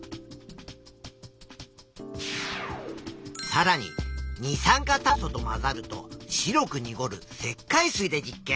さらに二酸化炭素と混ざると白くにごる石灰水で実験。